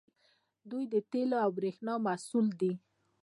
دوی د تیلو او بریښنا مسوول دي.